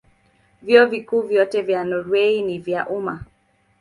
Vyuo Vikuu vyote vya Norwei ni vya umma.